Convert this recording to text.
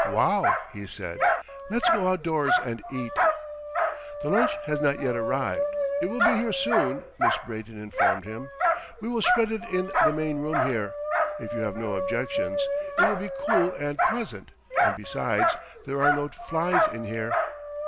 "Wow!" he said. "Let's go out doors and eat." "The lunch has not yet arrived. It will be here soon," Miss Brayton informed him. "We will spread it in the main room here, if you have no objections. It will be cool and pleasant; and, besides, there are no flies in here."